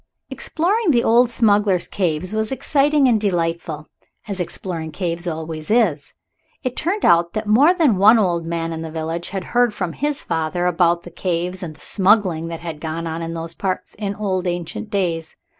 Exploring the old smugglers' caves was exciting and delightful, as exploring caves always is. It turned out that more than one old man in the village had heard from his father about the caves and the smuggling that had gone on in those parts in old ancient days.